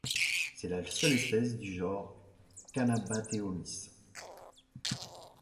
C'est la seule espèce du genre Kannabateomys.